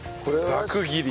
ざく切り。